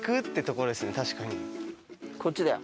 こっちだよ。